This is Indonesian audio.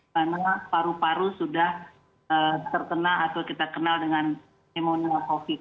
karena paru paru sudah terkena atau kita kenal dengan pneumonia